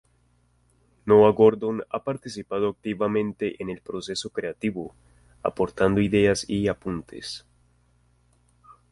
Noah Gordon ha participando activamente en el proceso creativo, aportando ideas y apuntes.